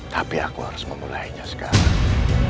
tapi aku harus memulainya sekarang